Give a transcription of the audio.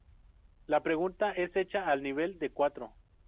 La pregunta es hecha al nivel de cuatro.